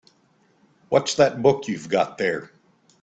What's that book you've got there?